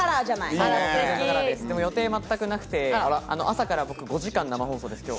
でも予定が全くなくて、朝から５時間生放送です、今日。